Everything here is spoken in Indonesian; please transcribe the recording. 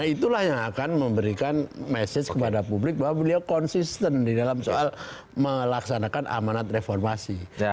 itulah yang akan memberikan message kepada publik bahwa beliau konsisten di dalam soal melaksanakan amanat reformasi